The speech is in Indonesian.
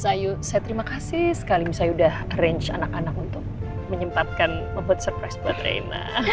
saya terima kasih sekali saya sudah arrange anak anak untuk menyempatkan membuat surprise buat reina